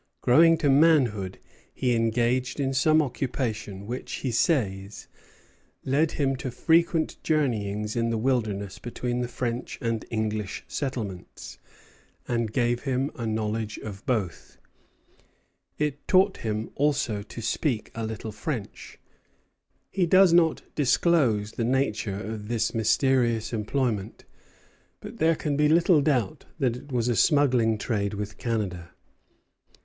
Growing to manhood, he engaged in some occupation which, he says, led him to frequent journeyings in the wilderness between the French and English settlements, and gave him a good knowledge of both. It taught him also to speak a little French. He does not disclose the nature of this mysterious employment; but there can be little doubt that it was a smuggling trade with Canada.